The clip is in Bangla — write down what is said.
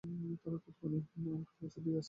তাঁরা তক্ষুনি আমাকে পৌঁছে দিয়ে আসতে চান।